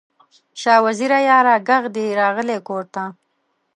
شاه وزیره یاره، ږغ دې راغلی کور ته